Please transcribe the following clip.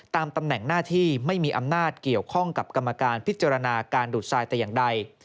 ตำแหน่งหน้าที่ไม่มีอำนาจเกี่ยวข้องกับกรรมการพิจารณาการดูดทรายแต่อย่างใด